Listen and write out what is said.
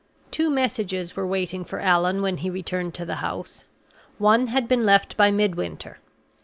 Two messages were waiting for Allan when he returned to the house. One had been left by Midwinter.